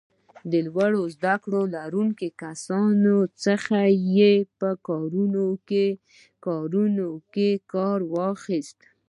د لوړو زده کړو لرونکو کسانو څخه یې په کارونو کې کار واخیست.